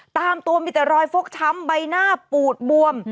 ตามตัวมีแต่รอยฟกช้ำใบหน้าปูดบวม